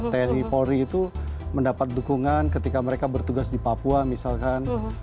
tni polri itu mendapat dukungan ketika mereka bertugas di papua misalkan